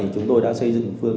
chúng tôi đã xây dựng